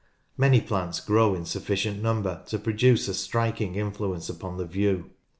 Many plants grow in sufficient number to produce a striking influence upon the view.